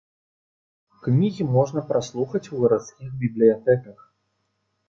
Кнігі можна праслухаць у гарадскіх бібліятэках.